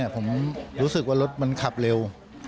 ผมรู้สึกว่ารถมันขับเร็ว